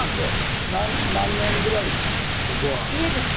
家ですか？